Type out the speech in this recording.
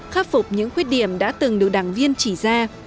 khắc phục những khuyết điểm đã từng được đảng viên chỉ ra